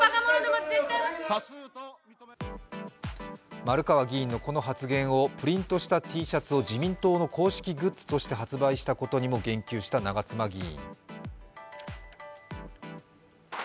丸川議員のこの発言をプリントしたＴシャツを自民党の公式グッズとして発売したことにも言及した長妻議員。